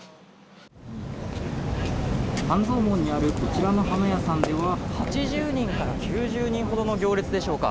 半蔵門にあるこちらの花屋さんでは８０人から９０人ほどの行列でしょうか。